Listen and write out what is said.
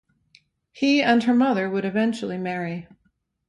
He and her mother would eventually marry.